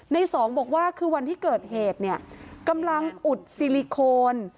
ในสองบอกว่าคือวันที่เกิดเหตุกำลังอุบสีลิโคน